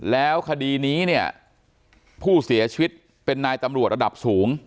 แล้วคดีนี้เนี่ยผู้เสียชีวิตเป็นนายตำรวจระดับสูง